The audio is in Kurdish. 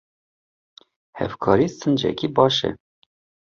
Hevkarî sincekî baş e.